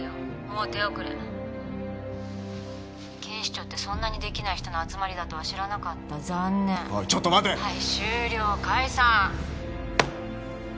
もう手遅れ警視庁ってそんなにできない人の集まりだとは知らなかった残念おいちょっと待てはい終了解散！